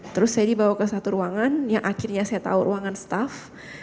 terus saya dibawa ke satu ruangan yang akhirnya saya tahu ruangan staff